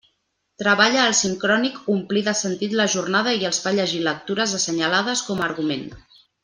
Treballa el sincrònic omplir de sentit la jornada i els fa llegir lectures assenyades com a argument.